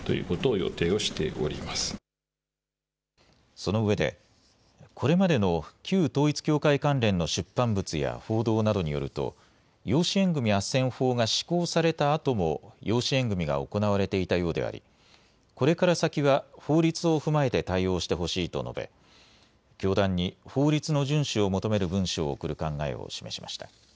そのうえでこれまでの旧統一教会関連の出版物や報道などによると養子縁組あっせん法が施行されたあとも養子縁組みが行われていたようでありこれから先は法律を踏まえて対応してほしいと述べ教団に法律の順守を求める文書を送る考えを示しました。